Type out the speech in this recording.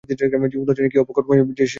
খোদা জানে কী অপকর্ম যে সে চালাচ্ছে!